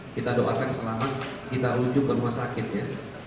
kita doakan selamat kita rujuk ke rumah sakit ya